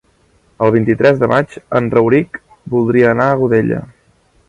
El vint-i-tres de maig en Rauric voldria anar a Godella.